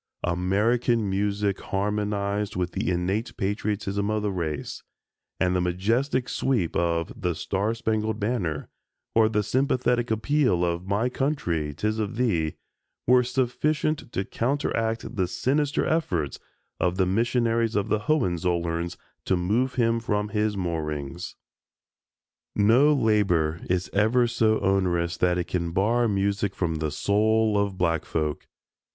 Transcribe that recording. American music harmonized with the innate patriotism of the race, and the majestic sweep of "The Star Spangled Banner" or the sympathetic appeal of "My Country, 'Tis of Thee," were sufficient to counteract the sinister efforts of the missionaries of the Hohenzollerns to move him from his moorings. No labor is ever so onerous that it can bar music from the soul of black folk.